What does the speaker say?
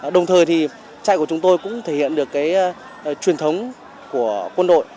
đồng thời thì chạy của chúng tôi cũng thể hiện được cái truyền thống của quân đội